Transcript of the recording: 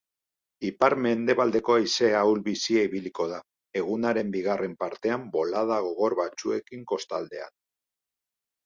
Ipar-mendebaldeko haize ahul-bizia ibiliko da, egunaren bigarren partean bolada gogor batzuekin kostaldean.